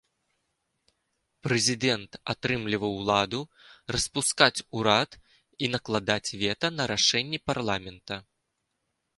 Прэзідэнт атрымліваў ўлада распускаць урад і накладаць вета на рашэнні парламента.